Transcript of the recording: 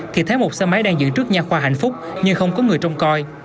thì thấy một xe máy đang giữ trước nhà khoa hạnh phúc nhưng không có người trông coi